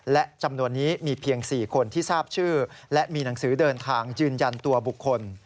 และจำนวนนี้มีเพียง๔คนที่ทราบชื่อและมีหนังสือเดินทางยืนยันตัวบุคคล